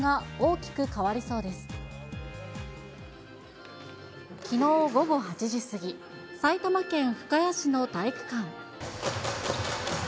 きのう午後８時過ぎ、埼玉県深谷市の体育館。